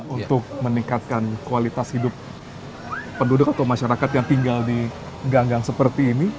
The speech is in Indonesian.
untuk meningkatkan kualitas hidup penduduk atau masyarakat yang tinggal di ganggang seperti ini